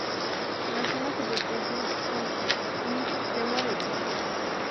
Las zonas se protegen con un sistema de diques.